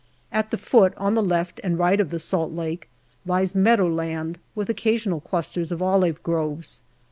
At the foot, on the left and right of the Salt Lake, lies meadow land, with occasional clusters of olive groves.